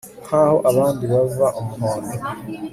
Nk aho abandi bava umuhondo